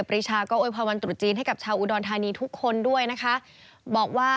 เราก็ให้กับลูกน้องทะบุญมา